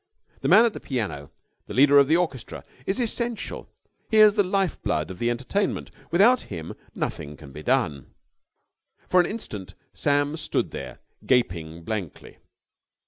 The man at the piano, the leader of the orchestra, is essential. He is the life blood of the entertainment. Without him, nothing can be done. For an instant Sam stood there, gaping blankly.